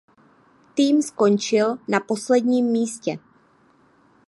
Tým skončil na posledním místě.